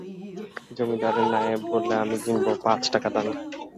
জমিদারের নায়েব বললে, আমি কিনব, পাঁচ টাকা দামে।